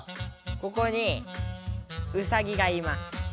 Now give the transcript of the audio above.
ここにウサギがいます。